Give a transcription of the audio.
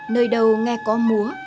nơi đầu nghe có múa